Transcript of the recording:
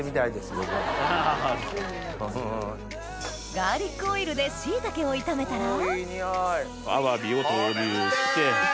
ガーリックオイルでシイタケを炒めたらアワビを投入して。